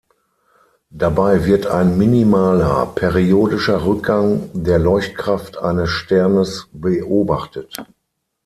Dabei wird ein minimaler, periodischer Rückgang der Leuchtkraft eines Sternes beobachtet.